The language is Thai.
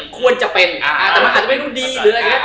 ควรจะเป็นแต่มันอาจจะเป็นคนดีหรืออะไรอย่างนี้